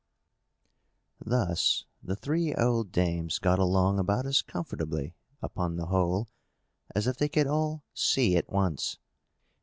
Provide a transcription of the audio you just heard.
Thus the three old dames got along about as comfortably, upon the whole, as if they could all see at once.